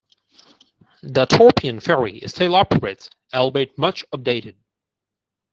The Torpoint Ferry still operates, albeit much updated.